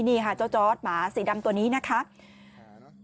นี่ค่ะเจ้าจอร์ดหมาสีดำตัวนี้นะคะ